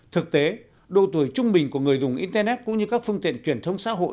thực tế độ tuổi trung bình của người dùng internet cũng như các phương tiện truyền thông xã hội